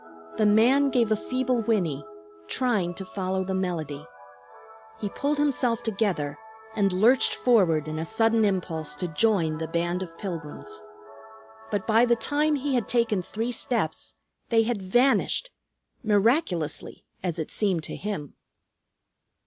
The man gave a feeble whinny, trying to follow the melody. He pulled himself together and lurched forward in a sudden impulse to join the band of pilgrims. But by the time he had taken three steps they had vanished, miraculously, as it seemed to him.